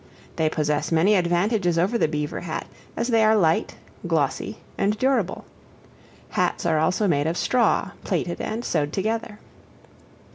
They possess many advantages over the beaver hat, as they are light, glossy, and durable. Hats are also made of straw, plaited and sewed together.